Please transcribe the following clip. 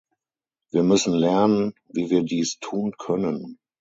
Wir müssen lernen, wie wir dies tun können.